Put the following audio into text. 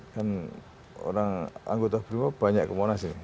kan orang anggota briba banyak ke monas ini